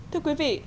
thưa quý vị